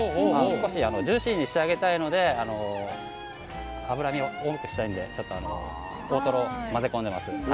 少しジューシーに仕上げたいので脂身を多くしたいのでちょっと大トロを混ぜ込んでいます。